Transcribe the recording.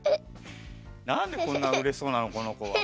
なんでこんなうれしそうなのこのこは。